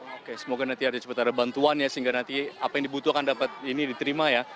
oke semoga nanti ada cepat ada bantuan ya sehingga nanti apa yang dibutuhkan dapat ini diterima ya